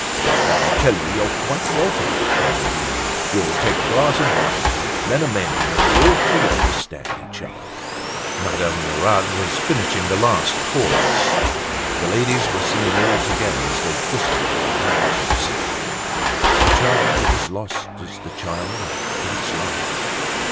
"I tell you, you're quite welcome!" shouted he. "You'll take a glass of wine. Men are men, you know. We ought to understand each other." Madame Lerat was finishing the last chorus. The ladies were singing all together as they twisted their handkerchiefs. "The child that is lost is the child of God's love."